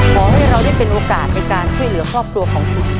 ขอให้เราได้เป็นโอกาสในการช่วยเหลือครอบครัวของคุณ